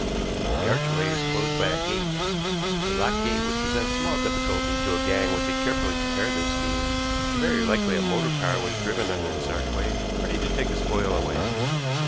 The archway is closed by a gate. The locked gate would present small difficulty to a gang which had carefully prepared their scheme, and very likely a motor car was driven under this archway ready to take the spoil away."